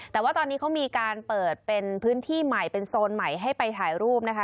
แต่ว่าตอนนี้เขามีการเปิดเป็นพื้นที่ใหม่เป็นโซนใหม่ให้ไปถ่ายรูปนะคะ